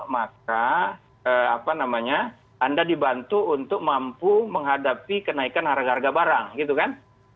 maka apa namanya anda dibantu untuk mampu menghadapi kenaikan harga harga barang gitu kan